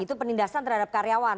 itu penindasan terhadap karyawan